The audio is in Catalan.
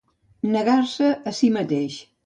Negar-se a si mateix.